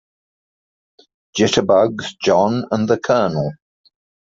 Jitterbugs JOHN and the COLONEL.